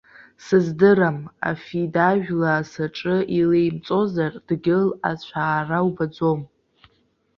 Сыздырам, афидажәла асаҿы илеимҵозар, дгьыл ацәаара убаӡом.